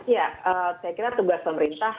ya saya kira tugas pemerintah